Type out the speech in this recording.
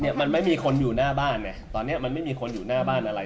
มันไม่มีคนอยู่หน้าบ้านไงตอนเนี้ยมันไม่มีคนอยู่หน้าบ้านอะไร